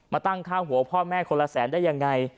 มาตั้งค่าหัวพ่อแม่คนละแสนได้ยังไง